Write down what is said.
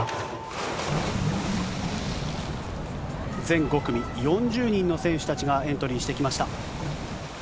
全５組、４０人の選手たちがエントリーしてきました。